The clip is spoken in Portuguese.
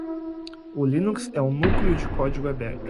O Linux é um núcleo de código aberto.